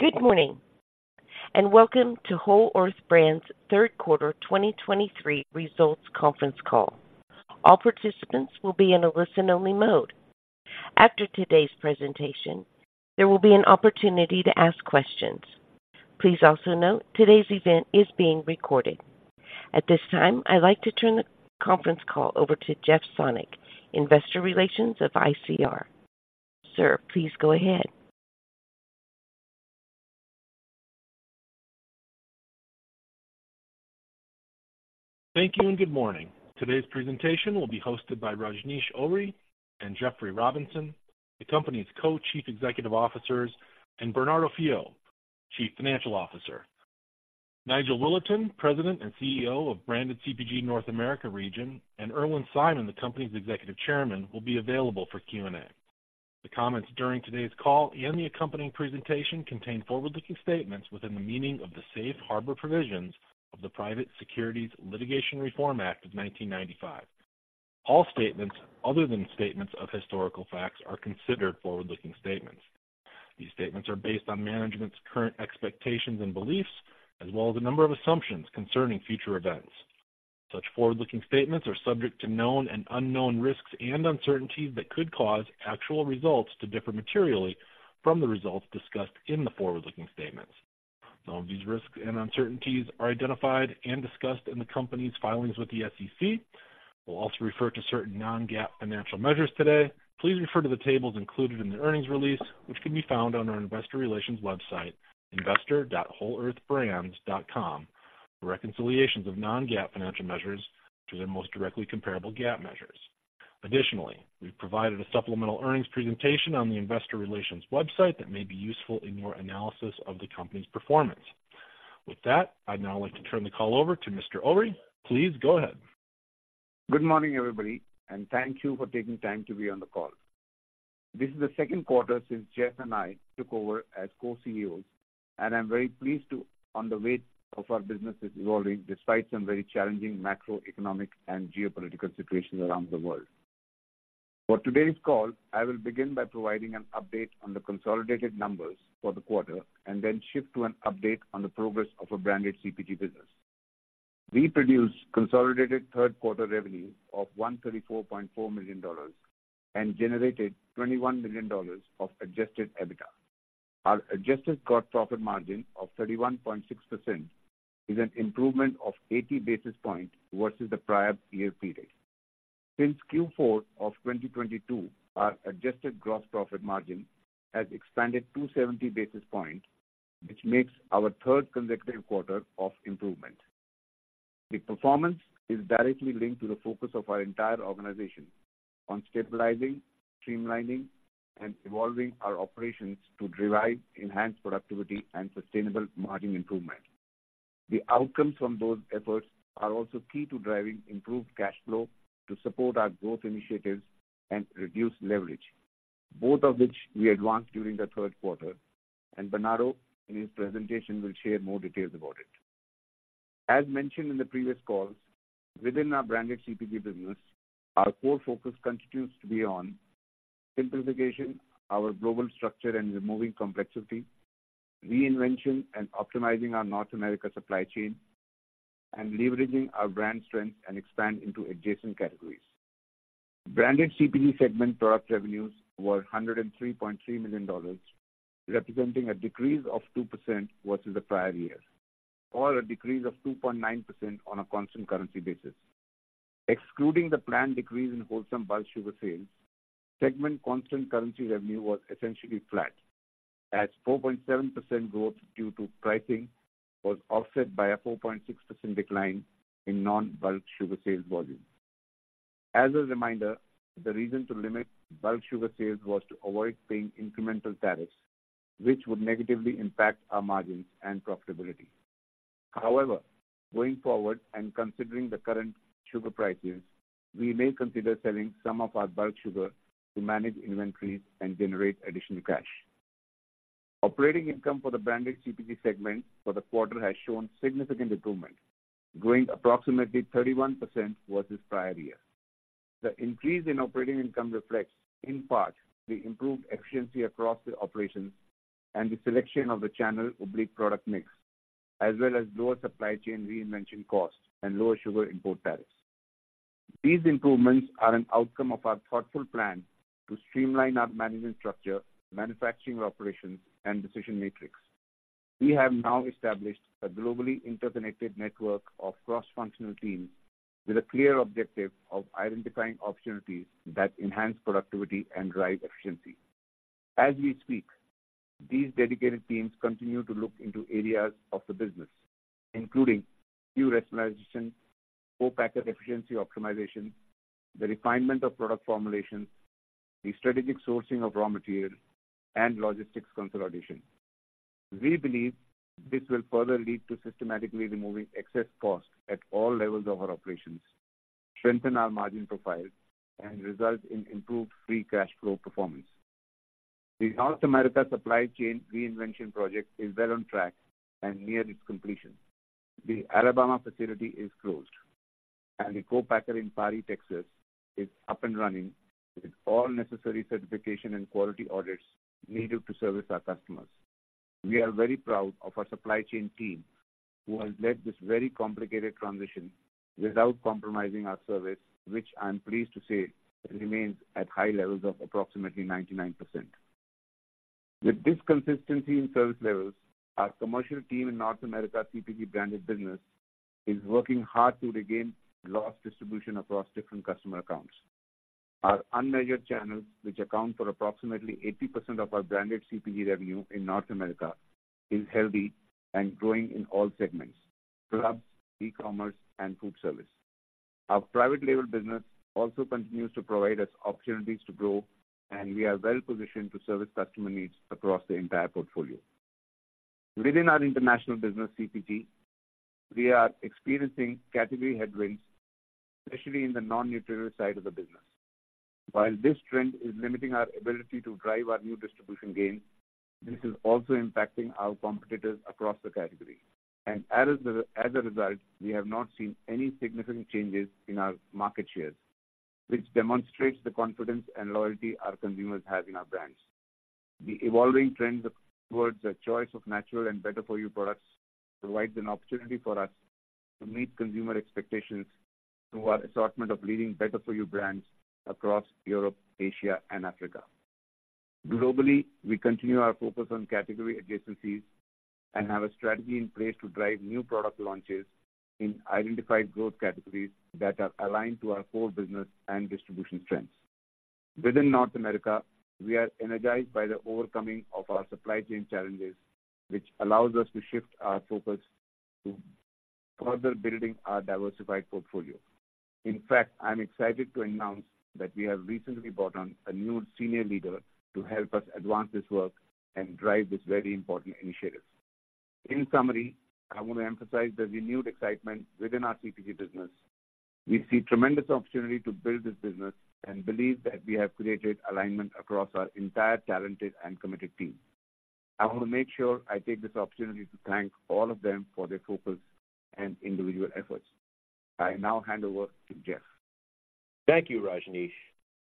Good morning, and welcome to Whole Earth Brands' Third Quarter 2023 Results Conference Call. All participants will be in a listen-only mode. After today's presentation, there will be an opportunity to ask questions. Please also note, today's event is being recorded. At this time, I'd like to turn the conference call over to Jeff Sonnek, Investor Relations of ICR. Sir, please go ahead. Thank you, and good morning. Today's presentation will be hosted by Rajnish Ohri and Jeffrey Robinson, the company's Co-Chief Executive Officers, and Bernardo Fiaux, Chief Financial Officer. Nigel Willerton, President and CEO of Branded CPG North America region, and Irwin Simon, the company's Executive Chairman, will be available for Q&A. The comments during today's call and the accompanying presentation contain forward-looking statements within the meaning of the Safe Harbor Provisions of the Private Securities Litigation Reform Act of 1995. All statements other than statements of historical facts are considered forward-looking statements. These statements are based on management's current expectations and beliefs, as well as a number of assumptions concerning future events. Such forward-looking statements are subject to known and unknown risks and uncertainties that could cause actual results to differ materially from the results discussed in the forward-looking statements. Some of these risks and uncertainties are identified and discussed in the company's filings with the SEC. We'll also refer to certain non-GAAP financial measures today. Please refer to the tables included in the earnings release, which can be found on our investor relations website, investor.wholeearthbrands.com, for reconciliations of non-GAAP financial measures to their most directly comparable GAAP measures. Additionally, we've provided a supplemental earnings presentation on the investor relations website that may be useful in your analysis of the company's performance. With that, I'd now like to turn the call over to Mr. Ohri. Please go ahead. Good morning, everybody, and thank you for taking time to be on the call. This is the second quarter since Jeff and I took over as co-CEOs, and I'm very pleased to-- on the weight of our businesses evolving, despite some very challenging macroeconomic and geopolitical situations around the world. For today's call, I will begin by providing an update on the consolidated numbers for the quarter and then shift to an update on the progress of the Branded CPG business. We produced consolidated third-quarter revenue of $134.4 million and generated $21 million of adjusted EBITDA. Our adjusted gross profit margin of 31.6% is an improvement of 80 basis points versus the prior year period. Since Q4 of 2022, our adjusted gross profit margin has expanded 270 basis points, which makes our third consecutive quarter of improvement. The performance is directly linked to the focus of our entire organization on stabilizing, streamlining, and evolving our operations to derive enhanced productivity and sustainable margin improvement. The outcomes from those efforts are also key to driving improved cash flow to support our growth initiatives and reduce leverage, both of which we advanced during the third quarter, and Bernardo, in his presentation, will share more details about it. As mentioned in the previous calls, within our Branded CPG business, our core focus continues to be on simplification, our global structure and removing complexity, reinvention and optimizing our North America supply chain, and leveraging our brand strength and expand into adjacent categories. Branded CPG segment product revenues were $103.3 million, representing a decrease of 2% versus the prior year, or a decrease of 2.9% on a constant currency basis. Excluding the planned decrease in Wholesome bulk sugar sales, segment constant currency revenue was essentially flat, as 4.7% growth due to pricing was offset by a 4.6% decline in non-bulk sugar sales volume. As a reminder, the reason to limit bulk sugar sales was to avoid paying incremental tariffs, which would negatively impact our margins and profitability. However, going forward and considering the current sugar prices, we may consider selling some of our bulk sugar to manage inventory and generate additional cash. Operating income for the Branded CPG segment for the quarter has shown significant improvement, growing approximately 31% versus prior year. The increase in operating income reflects, in part, the improved efficiency across the operations and the selection of the channel and product mix, as well as lower supply chain reinvention costs and lower sugar import tariffs. These improvements are an outcome of our thoughtful plan to streamline our management structure, manufacturing operations, and decision matrix. We have now established a globally interconnected network of cross-functional teams with a clear objective of identifying opportunities that enhance productivity and drive efficiency. As we speak, these dedicated teams continue to look into areas of the business, including SKU aationalization, co-packer efficiency optimization, the refinement of product formulations, the strategic sourcing of raw materials, and logistics consolidation. We believe this will further lead to systematically removing excess costs at all levels of our operations, strengthen our margin profile, and result in improved free cash flow performance. The North America supply chain reinvention project is well on track and near its completion. The Alabama facility is closed, and the co-packer in Paris, Texas, is up and running with all necessary certification and quality audits needed to service our customers. We are very proud of our supply chain team, who has led this very complicated transition without compromising our service, which I'm pleased to say, remains at high levels of approximately 99%. With this consistency in service levels, our commercial team in North America CPG branded business is working hard to regain lost distribution across different customer accounts. Our unmeasured channels, which account for approximately 80% of our branded CPG revenue in North America, is healthy and growing in all segments: clubs, e-commerce, and food service. Our private label business also continues to provide us opportunities to grow, and we are well positioned to service customer needs across the entire portfolio. Within our international business, CPG, we are experiencing category headwinds, especially in the non-nutritive side of the business. While this trend is limiting our ability to drive our new distribution gains, this is also impacting our competitors across the category. As a result, we have not seen any significant changes in our market shares, which demonstrates the confidence and loyalty our consumers have in our brands. The evolving trends towards the choice of natural and better-for-you products, provides an opportunity for us to meet consumer expectations through our assortment of leading better-for-you brands across Europe, Asia, and Africa. Globally, we continue our focus on category adjacencies and have a strategy in place to drive new product launches in identified growth categories that are aligned to our core business and distribution strengths. Within North America, we are energized by the overcoming of our supply chain challenges, which allows us to shift our focus to further building our diversified portfolio. In fact, I'm excited to announce that we have recently brought on a new senior leader to help us advance this work and drive this very important initiative. In summary, I want to emphasize the renewed excitement within our CPG business. We see tremendous opportunity to build this business and believe that we have created alignment across our entire talented and committed team. I want to make sure I take this opportunity to thank all of them for their focus and individual efforts. I now hand over to Jeff. Thank you, Rajnish.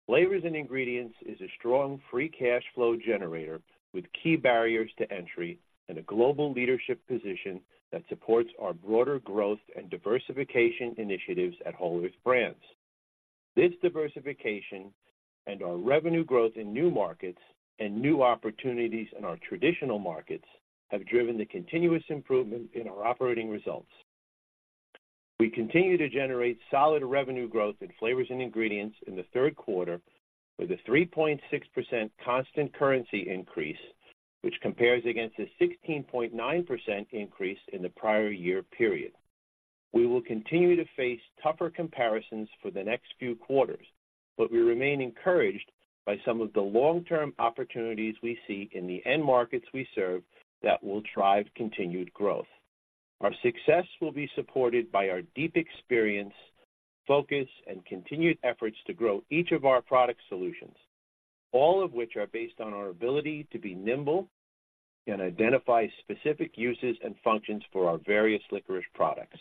Flavors and Ingredients is a strong free cash flow generator, with key barriers to entry and a global leadership position that supports our broader growth and diversification initiatives at Whole Earth Brands. This diversification and our revenue growth in new markets and new opportunities in our traditional markets, have driven the continuous improvement in our operating results. We continue to generate solid revenue growth in flavors and ingredients in the third quarter, with a 3.6% constant currency increase, which compares against a 16.9% increase in the prior year period. We will continue to face tougher comparisons for the next few quarters, but we remain encouraged by some of the long-term opportunities we see in the end markets we serve, that will drive continued growth. Our success will be supported by our deep experience, focus, and continued efforts to grow each of our product solutions, all of which are based on our ability to be nimble and identify specific uses and functions for our various licorice products.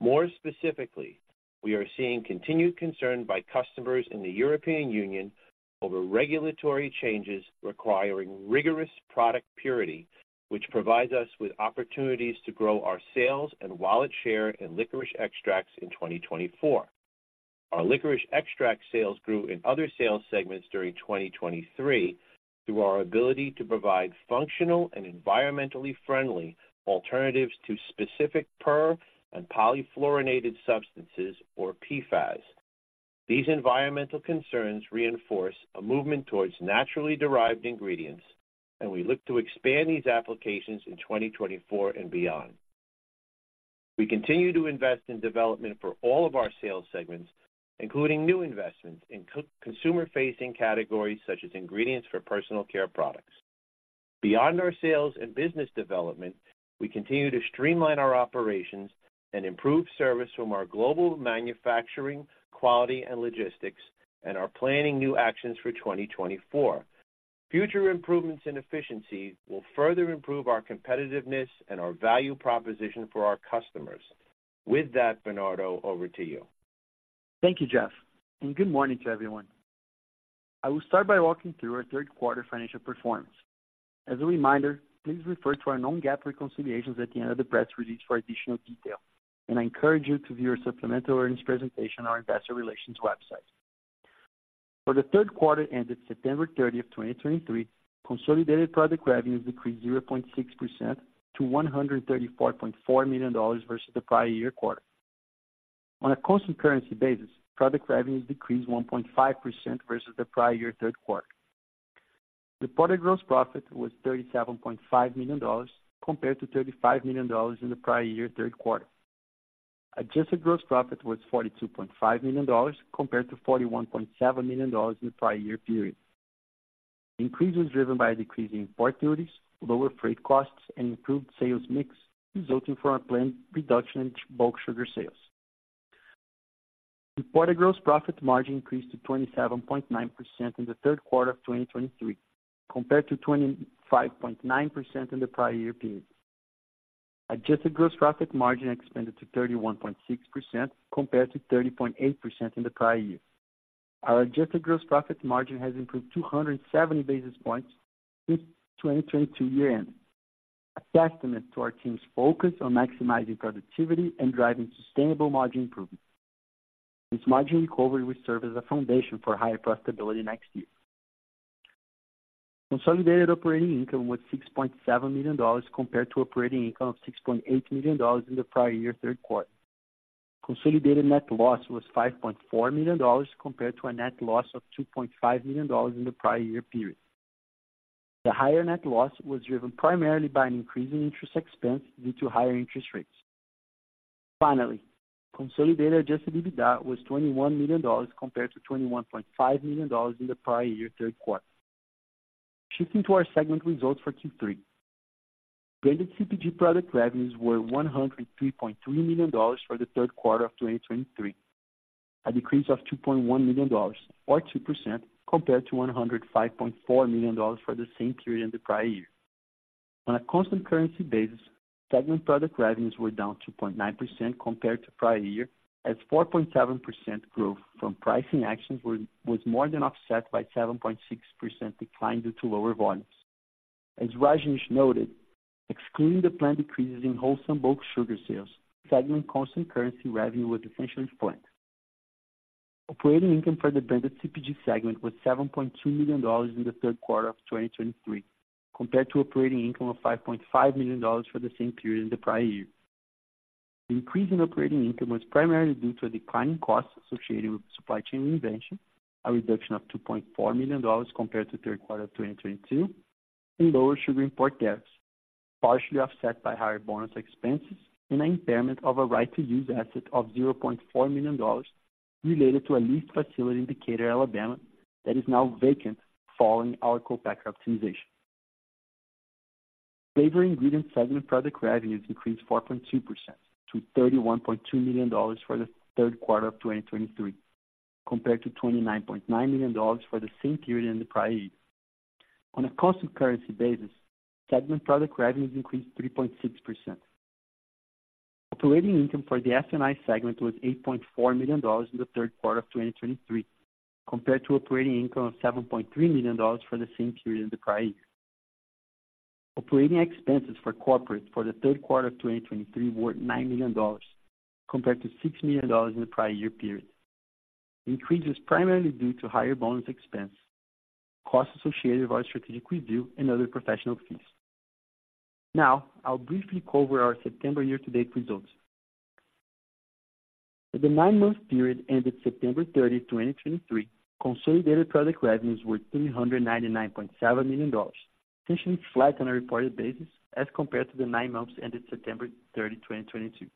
More specifically, we are seeing continued concern by customers in the European Union over regulatory changes requiring rigorous product purity, which provides us with opportunities to grow our sales and wallet share in licorice extracts in 2024. Our licorice extract sales grew in other sales segments during 2023, through our ability to provide functional and environmentally friendly alternatives to specific Per- and polyfluoroalkyl substances or PFAS. These environmental concerns reinforce a movement towards naturally derived ingredients, and we look to expand these applications in 2024 and beyond. We continue to invest in development for all of our sales segments, including new investments in consumer-facing categories such as ingredients for personal care products. Beyond our sales and business development, we continue to streamline our operations and improve service from our global manufacturing, quality, and logistics, and are planning new actions for 2024. Future improvements in efficiency will further improve our competitiveness and our value proposition for our customers. With that, Bernardo, over to you. Thank you, Jeff, and good morning to everyone. I will start by walking through our third quarter financial performance. As a reminder, please refer to our non-GAAP reconciliations at the end of the press release for additional detail. I encourage you to view our supplemental earnings presentation on our investor relations website. For the third quarter ended September 30, 2023, consolidated product revenues decreased 0.6% to $134.4 million versus the prior year quarter. On a constant currency basis, product revenues decreased 1.5% versus the prior year third quarter. Reported gross profit was $37.5 million compared to $35 million in the prior year third quarter. Adjusted gross profit was $42.5 million compared to $41.7 million in the prior year period. Increase was driven by a decrease in port duties, lower freight costs, and improved sales mix, resulting from a planned reduction in bulk sugar sales. Imported gross profit margin increased to 27.9% in the third quarter of 2023, compared to 25.9% in the prior year period. Adjusted gross profit margin expanded to 31.6%, compared to 30.8% in the prior year. Our adjusted gross profit margin has improved 270 basis points since 2022 year-end, a testament to our team's focus on maximizing productivity and driving sustainable margin improvement. This margin recovery will serve as a foundation for higher profitability next year. Consolidated operating income was $6.7 million, compared to operating income of $6.8 million in the prior year third quarter. Consolidated net loss was $5.4 million, compared to a net loss of $2.5 million in the prior year period. The higher net loss was driven primarily by an increase in interest expense due to higher interest rates. Finally, consolidated adjusted EBITDA was $21 million, compared to $21.5 million in the prior year third quarter. Shifting to our segment results for Q3. Branded CPG product revenues were $103.3 million for the third quarter of 2023, a decrease of $2.1 million or 2% compared to $105.4 million for the same period in the prior year. On a constant currency basis, segment product revenues were down 2.9% compared to prior year, as 4.7% growth from pricing actions was more than offset by 7.6% decline due to lower volumes. As Rajnish noted, excluding the planned decreases in Wholesome bulk sugar sales, segment constant currency revenue was essentially flat. Operating income for the Branded CPG segment was $7.2 million in the third quarter of 2023, compared to operating income of $5.5 million for the same period in the prior year. Increase in operating income was primarily due to a decline in costs associated with supply chain reinvention, a reduction of $2.4 million compared to third quarter of 2022, and lower sugar import tariffs, partially offset by higher bonus expenses and an impairment of a right-of-use asset of $0.4 million related to a leased facility in Decatur, Alabama, that is now vacant following our co-packer optimization. Flavors & Ingredients segment product revenues increased 4.2% to $31.2 million for the third quarter of 2023, compared to $29.9 million for the same period in the prior year. On a constant currency basis, segment product revenues increased 3.6%. Operating income for the F&I segment was $8.4 million in the third quarter of 2023, compared to operating income of $7.3 million for the same period in the prior year. Operating expenses for corporate for the third quarter of 2023 were $9 million, compared to $6 million in the prior year period. Increase was primarily due to higher bonus expense, costs associated with our strategic review and other professional fees. Now, I'll briefly cover our September year-to-date results. For the nine-month period ended September 30, 2023, consolidated product revenues were $399.7 million, essentially flat on a reported basis as compared to the nine months ended September 30, 2022.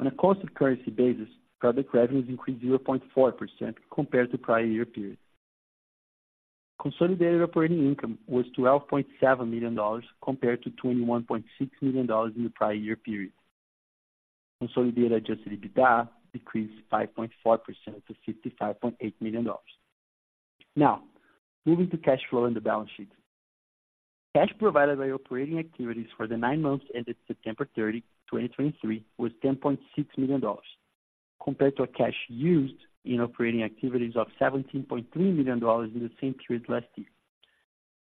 On a constant currency basis, product revenues increased 0.4% compared to prior year period. Consolidated operating income was $12.7 million, compared to $21.6 million in the prior year period. Consolidated adjusted EBITDA decreased 5.4% to $55.8 million. Now, moving to cash flow and the balance sheet. Cash provided by operating activities for the nine months ended September 30, 2023, was $10.6 million, compared to a cash used in operating activities of $17.3 million in the same period last year,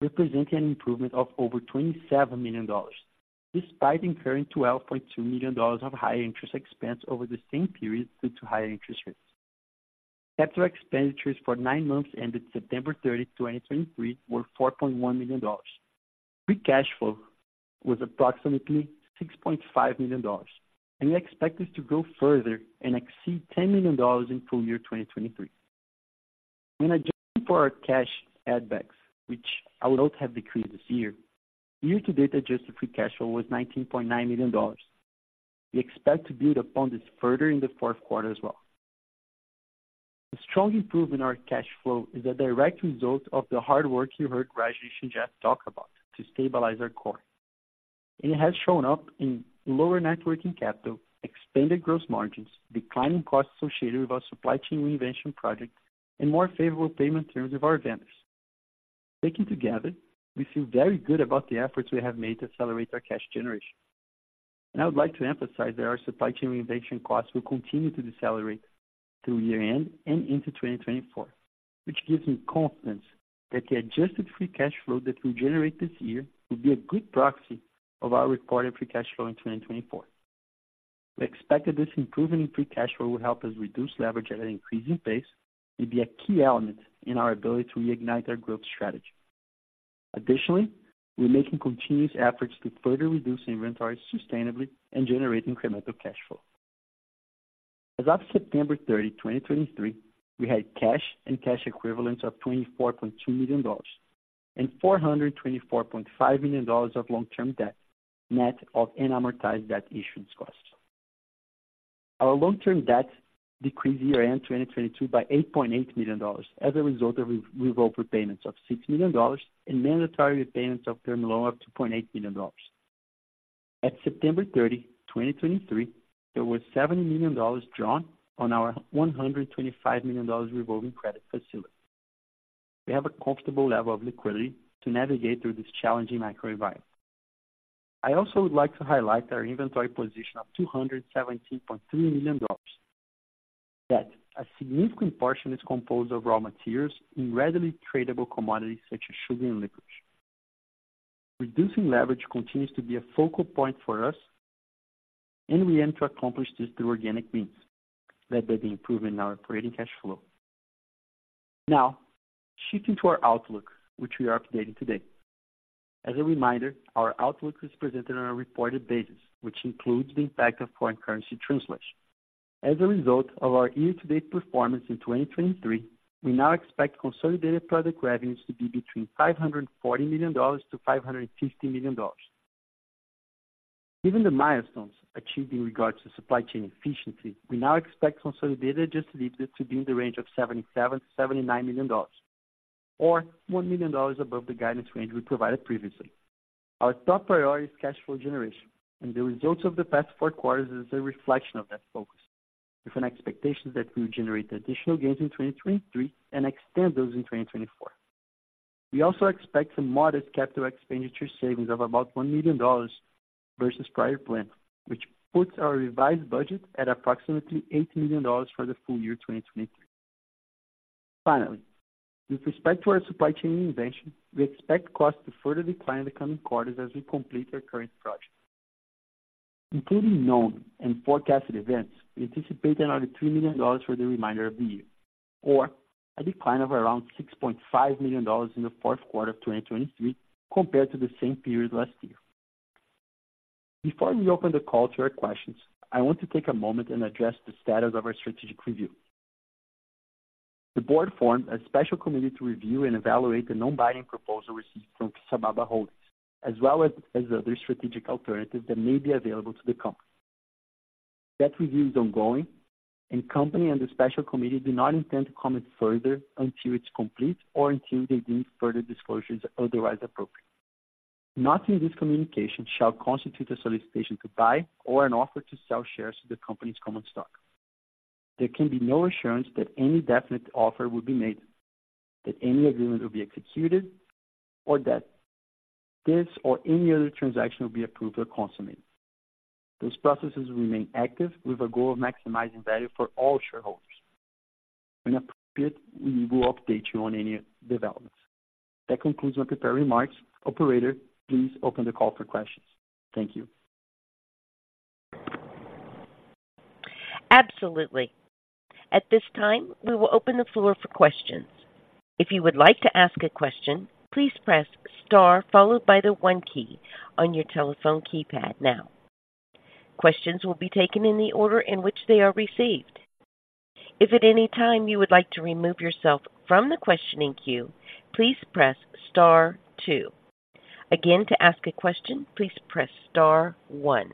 representing an improvement of over $27 million, despite incurring $12.2 million of higher interest expense over the same period due to higher interest rates. Capital expenditures for nine months ended September 30, 2023, were $4.1 million. Free cash flow was approximately $6.5 million, and we expect this to go further and exceed $10 million in full year 2023. When adjusting for our cash add backs, which a lot have decreased this year, year-to-date adjusted free cash flow was $19.9 million. We expect to build upon this further in the fourth quarter as well. The strong improvement in our cash flow is a direct result of the hard work you heard Rajnish and Jeff talk about to stabilize our core. And it has shown up in lower net working capital, expanded gross margins, declining costs associated with our supply chain investment project, and more favorable payment terms with our vendors. Taken together, we feel very good about the efforts we have made to accelerate our cash generation. I would like to emphasize that our supply chain reinvention costs will continue to decelerate through year-end and into 2024, which gives me confidence that the adjusted free cash flow that we generate this year will be a good proxy of our reported free cash flow in 2024. We expect that this improvement in free cash flow will help us reduce leverage at an increasing pace and be a key element in our ability to reignite our growth strategy. Additionally, we're making continuous efforts to further reduce inventory sustainably and generate incremental cash flow. As of September 30, 2023, we had cash and cash equivalents of $24.2 million and $424.5 million of long-term debt, net of amortized debt issuance costs. Our long-term debt decreased year-end 2022 by $8.8 million as a result of revolve repayments of $6 million and mandatory repayments of term loan of $2.8 million. At September 30, 2023, there was $70 million drawn on our $125 million revolving credit facility. We have a comfortable level of liquidity to navigate through this challenging macro environment. I also would like to highlight our inventory position of $217.3 million, that a significant portion is composed of raw materials in readily tradable commodities, such as sugar and licorice. Reducing leverage continues to be a focal point for us, and we aim to accomplish this through organic means, led by the improvement in our operating cash flow. Now, shifting to our outlook, which we are updating today. As a reminder, our outlook is presented on a reported basis, which includes the impact of foreign currency translation. As a result of our year-to-date performance in 2023, we now expect consolidated product revenues to be between $540 million and $550 million. Given the milestones achieved in regards to supply chain efficiency, we now expect consolidated adjusted EBITDA to be in the range of $77 million-$79 million, or $1 million above the guidance range we provided previously. Our top priority is cash flow generation, and the results of the past four quarters is a reflection of that focus, with an expectation that we will generate additional gains in 2023 and extend those in 2024. We also expect some modest capital expenditure savings of about $1 million versus prior plan, which puts our revised budget at approximately $80 million for the full year 2023. Finally, with respect to our supply chain initiative, we expect costs to further decline in the coming quarters as we complete our current project. Including known and forecasted events, we anticipate another $3 million for the remainder of the year, or a decline of around $6.5 million in the fourth quarter of 2023 compared to the same period last year. Before we open the call to our questions, I want to take a moment and address the status of our strategic review. The board formed a special committee to review and evaluate the non-binding proposal received from Sababa Holdings, as well as other strategic alternatives that may be available to the company. That review is ongoing, and the Company and the Special Committee do not intend to comment further until it's complete or until they deem further disclosures otherwise appropriate. Nothing in this communication shall constitute a solicitation to buy or an offer to sell shares of the Company's common stock. There can be no assurance that any definite offer will be made, that any agreement will be executed, or that this or any other transaction will be approved or consummated. Those processes remain active with a goal of maximizing value for all shareholders. When appropriate, we will update you on any developments. That concludes my prepared remarks. Operator, please open the call for questions. Thank you. Absolutely. At this time, we will open the floor for questions. If you would like to ask a question, please press star followed by the one key on your telephone keypad now. Questions will be taken in the order in which they are received. If at any time you would like to remove yourself from the questioning queue, please press star two. Again, to ask a question, please press star one.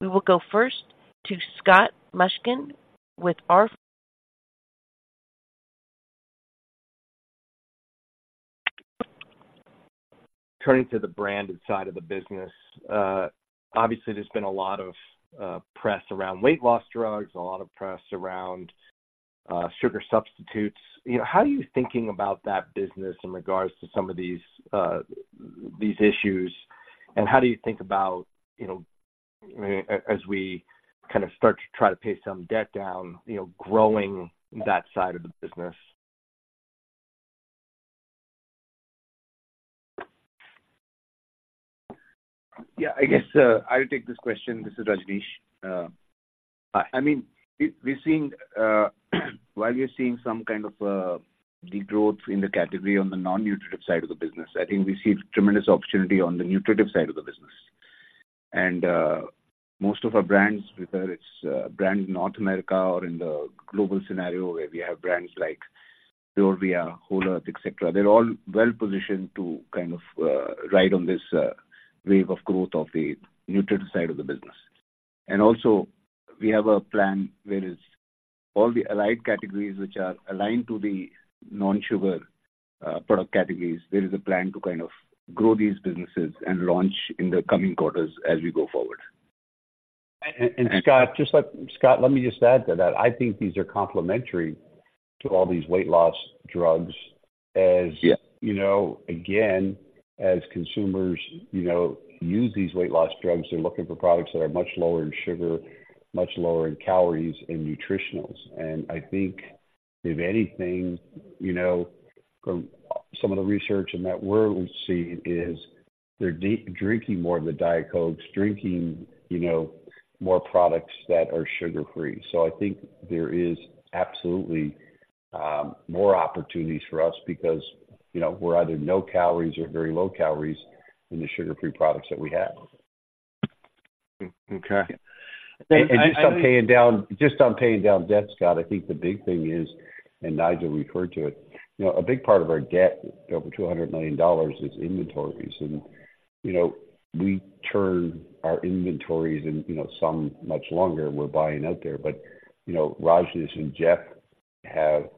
We will go first to Scott Mushkin with R5 Capital Turning to the branded side of the business, obviously, there's been a lot of press around weight loss drugs, a lot of press around sugar substitutes. You know, how are you thinking about that business in regards to some of these, these issues? And how do you think about, you know, as we kind of start to try to pay some debt down, you know, growing that side of the business? Yeah, I guess, I'll take this question. This is Rajnish. I mean, we're seeing, while we're seeing some kind of degrowth in the category on the non-nutritive side of the business, I think we see tremendous opportunity on the nutritive side of the business. And, most of our brands, whether it's brand in North America or in the global scenario, where we have brands like Pure Via, Whole Earth, et cetera, they're all well positioned to kind of ride on this wave of growth of the nutritive side of the business. And also, we have a plan, whereas all the allied categories which are aligned to the non-sugar product categories, there is a plan to kind of grow these businesses and launch in the coming quarters as we go forward. Scott, let me just add to that. I think these are complementary to all these weight loss drugs. Yeah. As you know, again, as consumers, you know, use these weight loss drugs, they're looking for products that are much lower in sugar, much lower in calories and nutritionals. And I think, if anything, you know, from some of the research in that world we've seen is they're drinking more of the diet Cokes, drinking, you know, more products that are sugar-free. So I think there is absolutely more opportunities for us because, you know, we're either no calories or very low calories in the sugar-free products that we have. Okay. Just on paying down, just on paying down debt, Scott, I think the big thing is, and Nigel referred to it, you know, a big part of our debt, over $200 million, is inventories. And, you know, we turn our inventories and, you know, some much longer we're buying out there. But, you know, Rajnish and Jeff have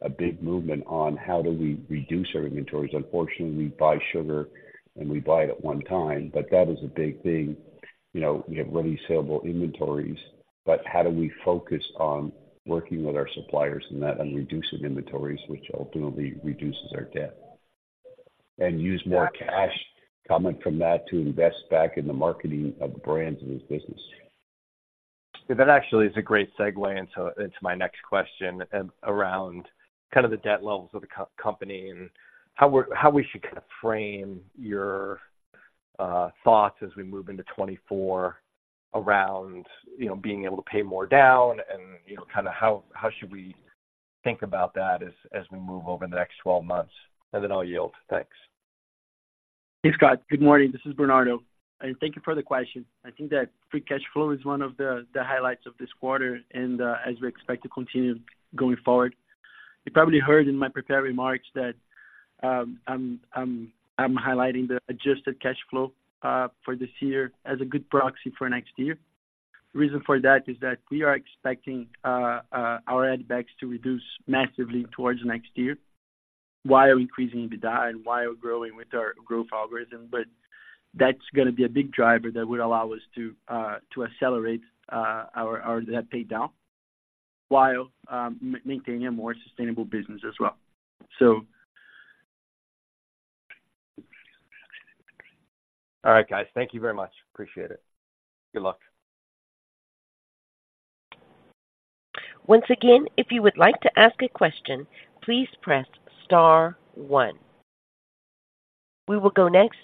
a big movement on how do we reduce our inventories? Unfortunately, we buy sugar, and we buy it at one time, but that is a big thing. You know, we have really salable inventories, but how do we focus on working with our suppliers and that, and reducing inventories, which ultimately reduces our debt? And use more cash coming from that to invest back in the marketing of the brands and this business. That actually is a great segue into my next question around kind of the debt levels of the company and how we should kind of frame your thoughts as we move into 2024 around, you know, being able to pay more down and, you know, kind of how should we think about that as we move over the next 12 months? And then I'll yield. Thanks. Hey, Scott. Good morning. This is Bernardo, and thank you for the question. I think that free cash flow is one of the highlights of this quarter, and as we expect to continue going forward. You probably heard in my prepared remarks that I'm highlighting the adjusted cash flow for this year as a good proxy for next year. The reason for that is that we are expecting our add backs to reduce massively towards next year, while increasing EBITDA and while growing with our growth algorithm. But that's gonna be a big driver that would allow us to accelerate our debt pay down, while maintaining a more sustainable business as well. So-- All right, guys. Thank you very much. Appreciate it. Good luck. Once again, if you would like to ask a question, please press star one. We will go next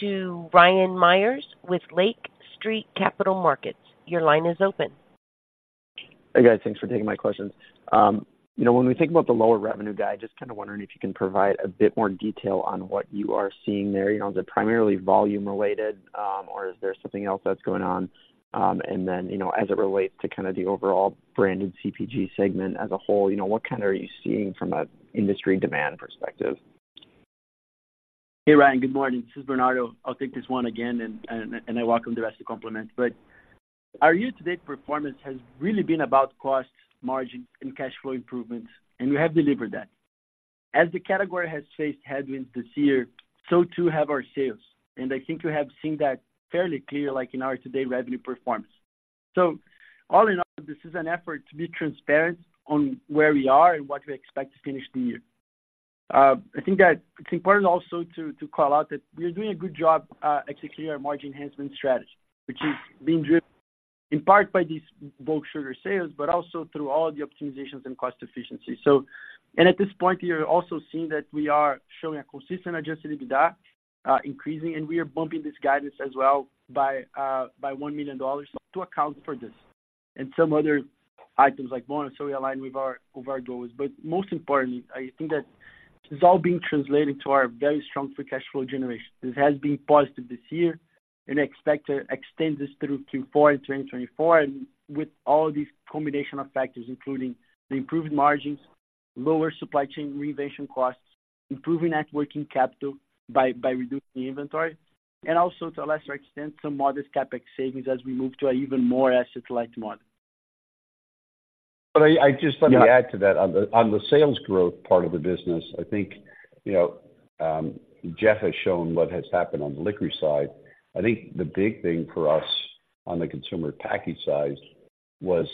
to Ryan Meyers with Lake Street Capital Markets. Your line is open. Hey, guys. Thanks for taking my questions. You know, when we think about the lower revenue guide, just kind of wondering if you can provide a bit more detail on what you are seeing there. You know, is it primarily volume-related, or is there something else that's going on? And then, you know, as it relates to kind of the overall Branded CPG segment as a whole, you know, what kind are you seeing from an industry demand perspective? Hey, Ryan. Good morning. This is Bernardo. I'll take this one again, and I welcome the rest to complement. But our year-to-date performance has really been about cost, margin, and cash flow improvements, and we have delivered that. As the category has faced headwinds this year, so too have our sales, and I think you have seen that fairly clear, like, in our today revenue performance. So all in all, this is an effort to be transparent on where we are and what we expect to finish the year. I think that it's important also to call out that we are doing a good job executing our margin enhancement strategy, which is being driven in part by these bulk sugar sales, but also through all the optimizations and cost efficiency. So, and at this point, you're also seeing that we are showing a consistent Adjusted EBITDA, increasing, and we are bumping this guidance as well by, by $1 million to account for this and some other items like bonus, so we align with our, with our goals. But most importantly, I think that this is all being translated to our very strong free cash flow generation. This has been positive this year, and I expect to extend this through Q4 in 2024. And with all these combination of factors, including the improved margins, lower supply chain reinvention costs, improving net working capital by, by reducing inventory, and also, to a lesser extent, some modest CapEx savings as we move to an even more asset-light model. But I just let me add to that. On the sales growth part of the business, I think, you know, Jeff has shown what has happened on the licorice side. I think the big thing for us on the consumer package side was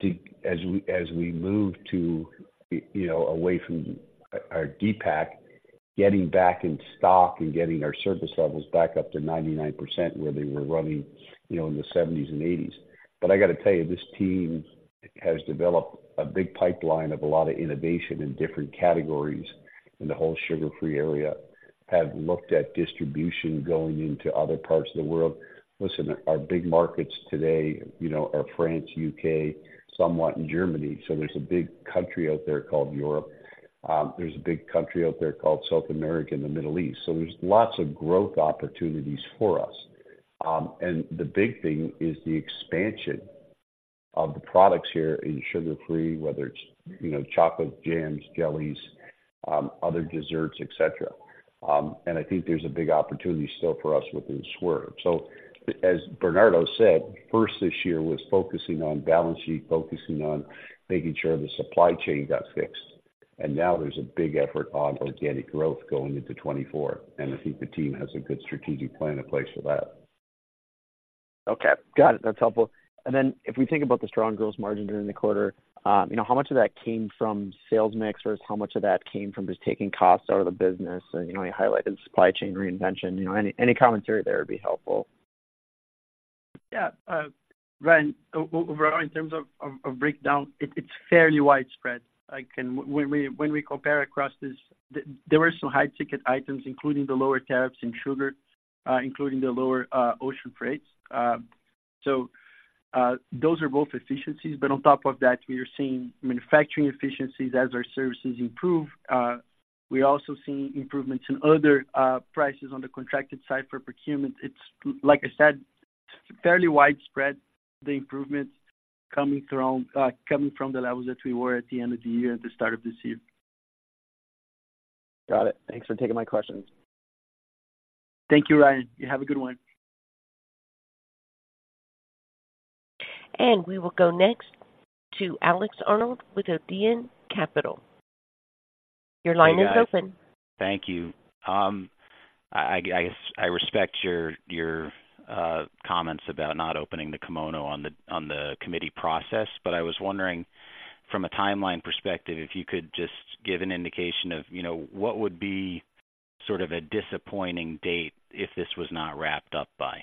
to, as we moved to, you know, away from our De-SPAC, getting back in stock and getting our service levels back up to 99%, where they were running, you know, in the 70s and 80s. But I got to tell you, this team has developed a big pipeline of a lot of innovation in different categories in the whole sugar-free area, have looked at distribution going into other parts of the world. Listen, our big markets today, you know, are France, U.K., somewhat in Germany, so there's a big country out there called Europe. There's a big country out there called South America and the Middle East. So there's lots of growth opportunities for us. And the big thing is the expansion of the products here in sugar-free, whether it's, you know, chocolate, jams, jellies, other desserts, et cetera. And I think there's a big opportunity still for us within Swerve. So as Bernardo said, first, this year was focusing on balance sheet, focusing on making sure the supply chain got fixed. And now there's a big effort on organic growth going into 2024, and I think the team has a good strategic plan in place for that. Okay, got it. That's helpful. And then if we think about the strong gross margin during the quarter, you know, how much of that came from sales mix or how much of that came from just taking costs out of the business? And, you know, you highlighted supply chain reinvention. You know, any commentary there would be helpful. Yeah, Ryan, overall, in terms of breakdown, it's fairly widespread. When we compare across this, there were some high ticket items, including the lower tariffs in sugar, including the lower ocean rates. So, those are both efficiencies, but on top of that, we are seeing manufacturing efficiencies as our services improve. We are also seeing improvements in other prices on the contracted side for procurement. It's, like I said, fairly widespread, the improvements coming from the levels that we were at the end of the year, at the start of this year. Got it. Thanks for taking my questions. Thank you, Ryan. You have a good one. We will go next to Alex Arnold with Odeon Capital. Your line is open. Thank you. I respect your comments about not opening the kimono on the committee process, but I was wondering from a timeline perspective, if you could just give an indication of, you know, what would be sort of a disappointing date if this was not wrapped up by?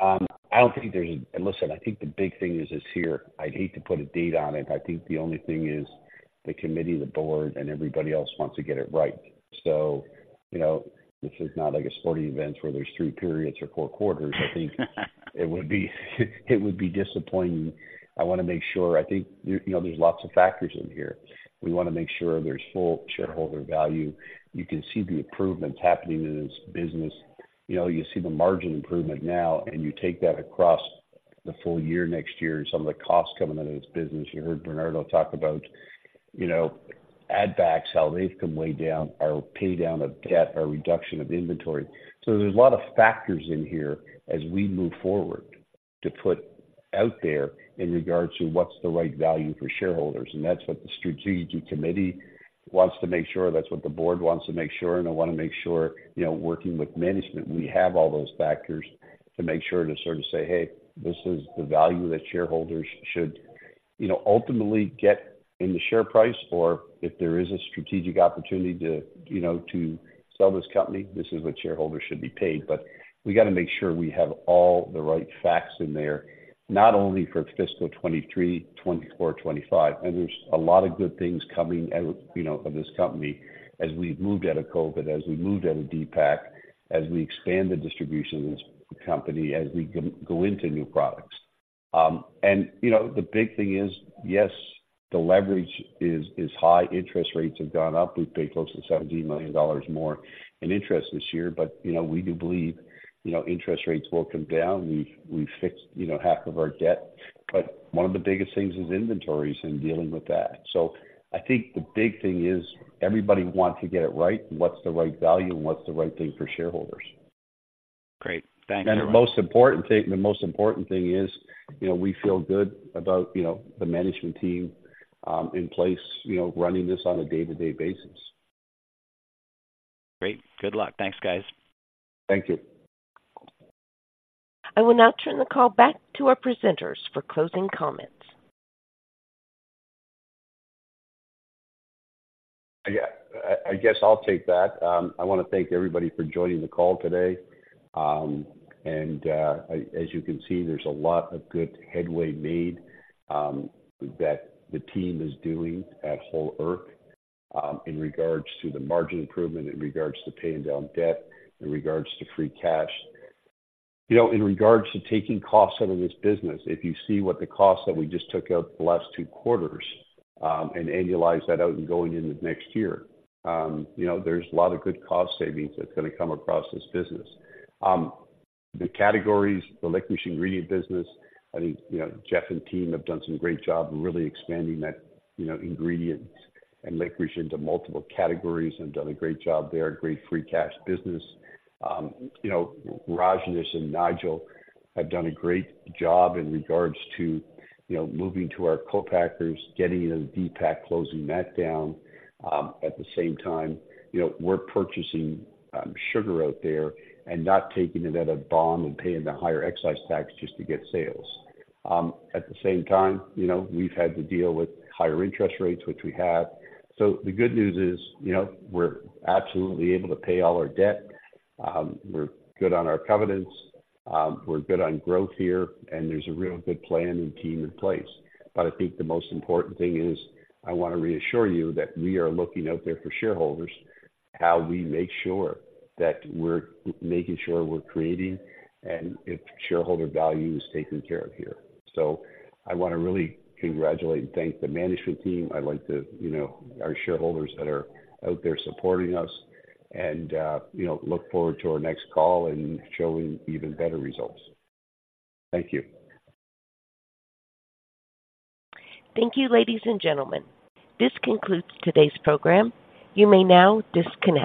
I don't think there's and listen, I think the big thing is here. I'd hate to put a date on it. I think the only thing is the committee, the board, and everybody else wants to get it right. So, you know, this is not like a sporting event where there's three periods or four quarters. I think it would be, it would be disappointing. I wanna make sure. I think, you know, there's lots of factors in here. We wanna make sure there's full shareholder value. You can see the improvements happening in this business. You know, you see the margin improvement now, and you take that across the full year next year and some of the costs coming out of this business. You heard Bernardo talk about, you know, add backs, how they've come way down, our pay down of debt, our reduction of inventory. There's a lot of factors in here as we move forward, to put out there in regards to what's the right value for shareholders, and that's what the Special Committee wants to make sure, that's what the Board wants to make sure. I wanna make sure, you know, working with management, we have all those factors to make sure to sort of say, "Hey, this is the value that shareholders should, you know, ultimately get in the share price, or if there is a strategic opportunity to, you know, to sell this company, this is what shareholders should be paid." But we got to make sure we have all the right facts in there, not only for fiscal 2023, 2024, 2025, and there's a lot of good things coming out, you know, of this company as we've moved out of COVID, as we've moved out of De-SPAC, as we expand the distribution of this company, as we go into new products. And you know, the big thing is, yes, the leverage is high. Interest rates have gone up. We've paid close to $17 million more in interest this year, but, you know, we do believe, you know, interest rates will come down. We've fixed, you know, half of our debt, but one of the biggest things is inventories and dealing with that. So I think the big thing is everybody wants to get it right. What's the right value and what's the right thing for shareholders? Great. Thank you. The most important thing, the most important thing is, you know, we feel good about, you know, the management team in place, you know, running this on a day-to-day basis. Great. Good luck. Thanks, guys. Thank you. I will now turn the call back to our presenters for closing comments. Yeah, I guess I'll take that. I wanna thank everybody for joining the call today. And as you can see, there's a lot of good headway made that the team is doing at Whole Earth in regards to the margin improvement, in regards to paying down debt, in regards to free cash. You know, in regards to taking costs out of this business, if you see what the costs that we just took out the last two quarters and annualize that out and going into next year, you know, there's a lot of good cost savings that's gonna come across this business. The categories, the liquid ingredient business, I think, you know, Jeff and team have done some great job in really expanding that, you know, ingredients and liquid into multiple categories and done a great job there, great free cash business. You know, Rajnish and Nigel have done a great job in regards to, you know, moving to our co-packers, getting into the De-SPAC, closing that down. At the same time, you know, we're purchasing sugar out there and not taking it at a bond and paying the higher excise tax just to get sales. At the same time, you know, we've had to deal with higher interest rates, which we have. So the good news is, you know, we're absolutely able to pay all our debt. We're good on our covenants, we're good on growth here, and there's a real good plan and team in place. But I think the most important thing is, I want to reassure you that we are looking out there for shareholders, how we make sure that we're making sure we're creating and if shareholder value is taken care of here. So I want to really congratulate and thank the management team. I'd like to, you know, our shareholders that are out there supporting us and, you know, look forward to our next call and showing even better results. Thank you. Thank you, ladies and gentlemen. This concludes today's program. You may now disconnect.